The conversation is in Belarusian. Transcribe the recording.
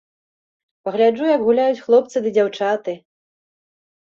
Пагляджу, як гуляюць хлопцы ды дзяўчаты!